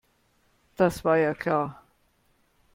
Das war ja klar.